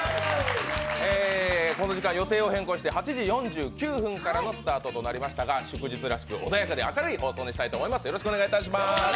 この時間予定を変更して８時４９分からのスタートとなりましたが祝日らしく、穏やかで明るい放送にしたいと思います。